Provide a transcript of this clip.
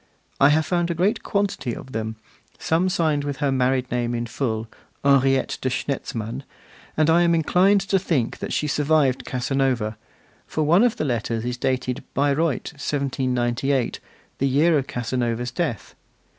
I have found a great quantity of them, some signed with her married name in full, 'Henriette de Schnetzmann,' and I am inclined to think that she survived Casanova, for one of the letters is dated Bayreuth, 1798, the year of Casanova's death.